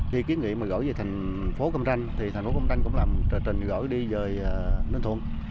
thì kiến nghị mà gửi về thành phố công tranh thì thành phố công tranh cũng làm trở trình gửi đi về ninh thuận